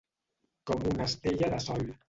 Com una estella de sol.